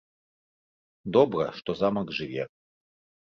Добра, што замак жыве.